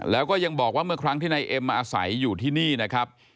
แล้วก็ยังบอกว่าเมื่อครั้งที่นายเอ็มมาอาศัยอยู่ที่นี่นะครับ